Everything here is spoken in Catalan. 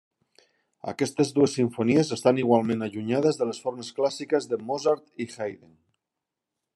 I aquestes dues simfonies estan igualment allunyades de les formes clàssiques de Mozart i Haydn.